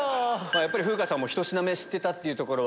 やっぱり風花さんも１品目知ってたってところは。